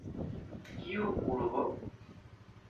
Kiu urbo?